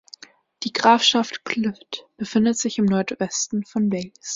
Die Grafschaft Clwyd befindet sich im Nordwesten von Wales.